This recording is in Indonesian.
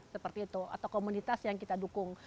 seperti itu atau komunitas yang kita dukung